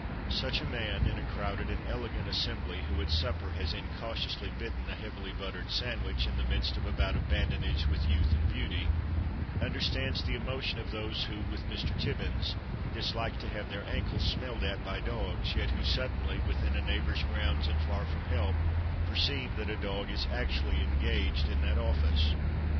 Such a man, in a crowded and elegant assembly, who at supper has incautiously bitten a heavily buttered sandwich, in the midst of a bout of badinage with youth and beauty, understands the emotion of those who, with Mr. Tibbins, dislike to have their ankles smelled at by dogs, yet who suddenly, within a neighbor's grounds and far from help, perceive that a dog is actually engaged in that office.